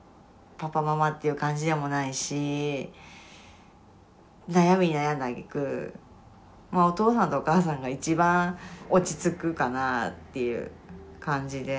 パパママっていう感じでもないし悩みに悩んだあげく「お父さん」と「お母さん」が一番落ち着くかなっていう感じで。